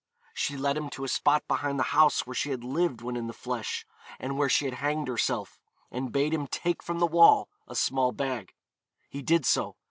She led him to a spot behind the house where she had lived when in the flesh, and where she had hanged herself, and bade him take from the wall a small bag. He did so.